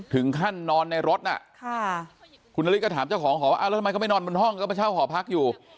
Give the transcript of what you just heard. ถึงขั้นนอนในรถคุณนาฬิกาถามเจ้าของขอว่าแล้วทำไมเขาไม่นอนบนห้องเขาไปเช่าห่อพักอยู่